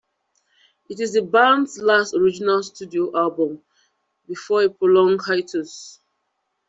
It was the band's last original studio album before a prolonged hiatus.